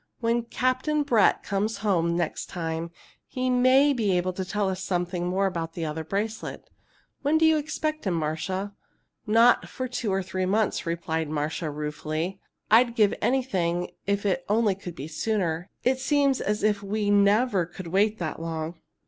When Captain Brett comes home next time, he may be able to tell us something more about the other bracelet. When do you expect him, Marcia?" "Not for two or three months," replied Marcia, ruefully. "I'd give anything if it could only be sooner. It seems as if we never could wait that long!"